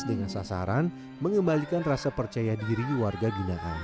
dengan sasaran mengembalikan rasa percaya diri warga binan lain